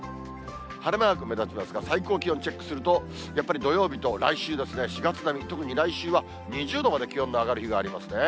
晴れマーク目立ちますが最高気温チェックするとやっぱり土曜日と来週ですね、４月並み、特に来週は２０度まで気温の上がる日がありますね。